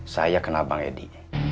saya kenal bang edi